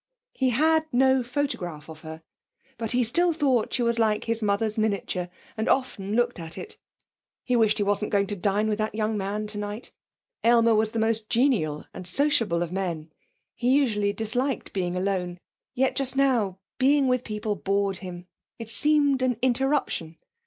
He had no photograph of her, but he still thought she was like his mother's miniature, and often looked at it. He wished he wasn't going to dine with that young man tonight. Aylmer was the most genial and sociable of men; he usually disliked being alone; yet just now being with people bored him; it seemed an interruption.